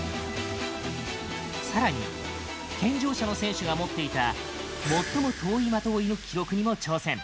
さらに健常者の選手が持っていた最も遠い的を射ぬく記録にも挑戦。